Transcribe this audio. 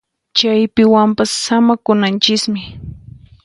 Chaypiwanpas samakunanchismi